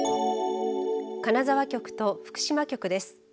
金沢局と福島局です。